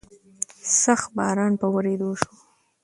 سخت باران په ورېدو شو.